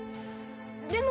でも。